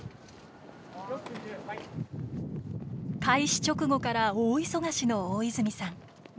開始直後から大忙しの大泉さん。